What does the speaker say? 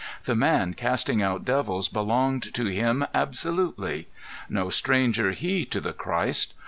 ✠ The man casting out devils belonged to Him absolutely. No stranger, he, to the Christ.